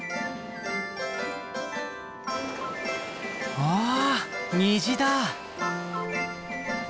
わあ虹だ。